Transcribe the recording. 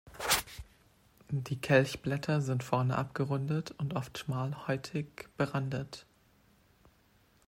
Die Kelchblätter sind vorne abgerundet und oft schmal häutig berandet.